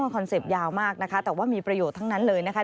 คอนเซ็ปต์ยาวมากนะคะแต่ว่ามีประโยชน์ทั้งนั้นเลยนะคะ